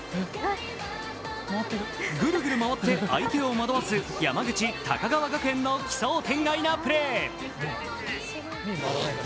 ぐるぐる回って相手を惑わす山口・高川学園の奇想天外なプレー。